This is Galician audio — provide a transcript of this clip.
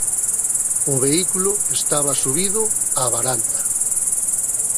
O vehículo estaba subido á varanda.